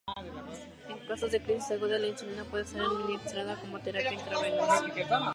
En casos de crisis agudas, la insulina puede ser administrada como terapia intravenosa.